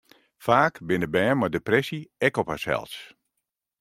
Faak binne bern mei depressy ek op harsels.